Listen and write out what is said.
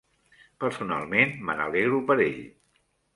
Personalment, me n'alegro per ell.